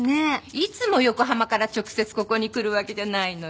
いつも横浜から直接ここに来るわけじゃないのよ。